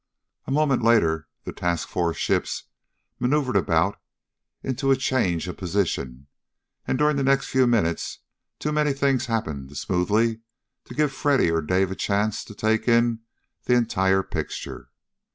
A moment later the task force ships maneuvered about into a change of position, and during the next few minutes too many things happened too smoothly to give either Freddy or Dave a chance to take in the entire picture.